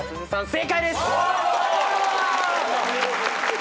正解です！